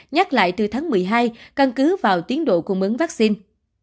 nhắc lại từ tháng một mươi hai căn cứ vào tiến độ cung ứng vaccine